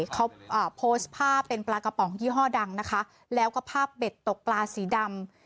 เขาโพสต์ภาพเป็นปลากระป๋องยี่ห้อดังนะคะแล้วก็ภาพเบ็ดตกปลาสีดำ